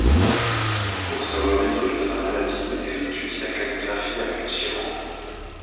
Pour se remettre de sa maladie, elle étudie la calligraphie avec Tshiro.